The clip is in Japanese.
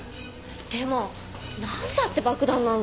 でもなんだって爆弾なんか。